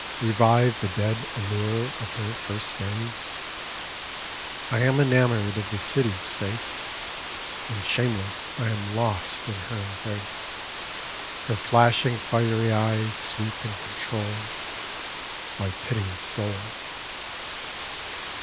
Revive the dead allure of her first days? 1 AERE PERENNIUS I am enamoured of the City's face! And shameless I am lost in her embrace. Her flashing fiery eyes sweep and control My piteous soul.